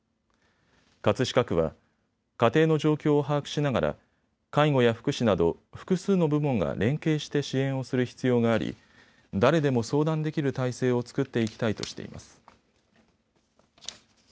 葛飾区は家庭の状況を把握しながら介護や福祉など複数の部門が連携して支援をする必要があり誰でも相談できる体制を作っていきたいとしています。